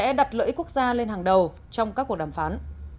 giúp đẩy quốc gia lên hàng đầu trong các cuộc đàm phán